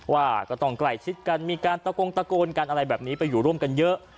ว่าก็ต้องใกล้ชิดกันมีการตะโกงตะโกนกันอะไรแบบนี้ไปอยู่ร่วมกันเยอะ